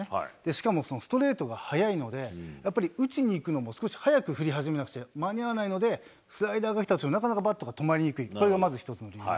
しかもそのストレートが速いので、やっぱり打ちにいくのも少し早く振り始めなくては間に合わないので、スライダーがきたらなかなかバットが止まりにくい、これがまず１つ。